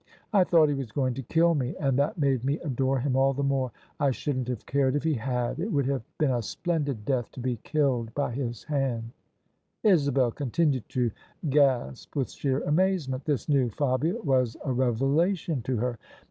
I thought he was going to kill me, and that made me adore him all the more. I shouldn't have cared if he had : it would have been a splendid death to be killed by his hand I " Isabel continued to gasp with sheer amazement: this new Fabia was a revelation to her.